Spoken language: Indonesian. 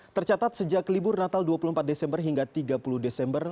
tercatat sejak libur natal dua puluh empat desember hingga tiga puluh desember